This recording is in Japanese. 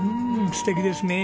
素敵ですね！